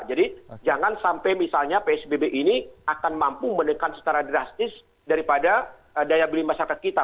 jadi jangan sampai misalnya psbb ini akan mampu menekan secara drastis daripada daya beli masyarakat kita